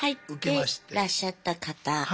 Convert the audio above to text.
入ってらっしゃった方。